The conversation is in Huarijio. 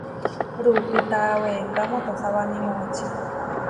Ruupita weeká motosáwani moʼočí.